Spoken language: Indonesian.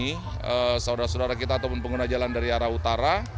ini saudara saudara kita ataupun pengguna jalan dari arah utara